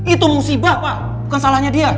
itu musibah pak bukan salahnya dia